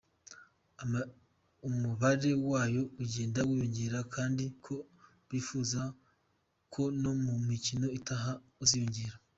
umubare wayo ugenda wiyongera kandi ko bifuza ko no mu mikino itaha aziyongera